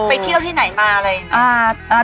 ไปเที่ยวที่ไหนมาอะไร